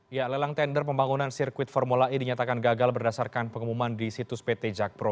ya lelang tender pembangunan sirkuit formula e dinyatakan gagal berdasarkan pengumuman di situs pt jakpro